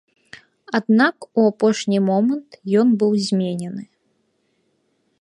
Аднак у апошні момант ён быў зменены.